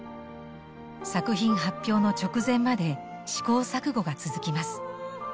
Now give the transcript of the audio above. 作品発表の直前まで試行錯誤が続きます。